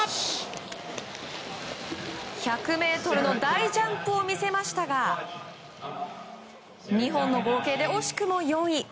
１００ｍの大ジャンプを見せましたが２本の合計で惜しくも４位。